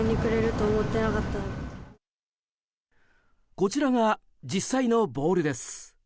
こちらが実際のボールです。